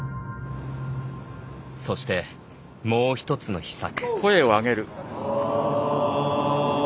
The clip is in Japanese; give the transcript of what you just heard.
そして、もう一つの秘策。